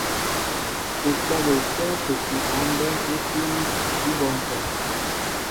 U kwabɛ ukɛ́ɛ́ ápeki ba mbɛ́ɛ́ ú tíní í bɔ́ŋkɛ̄.